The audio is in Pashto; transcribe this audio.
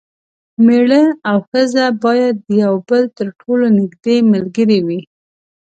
میړه او ښځه باید د یو بل تر ټولو نږدې ملګري وي.